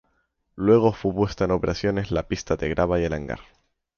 Luego fue puesta en operaciones la pista de grava y el hangar.